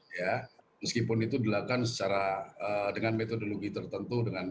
ya meskipun itu dilakukan secara dengan metodologi tertentu